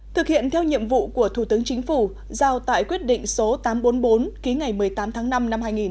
thực hiện theo nhiệm vụ của thủ tướng chính phủ giao tại quyết định số tám trăm bốn mươi bốn ký ngày một mươi tám tháng năm năm hai nghìn một mươi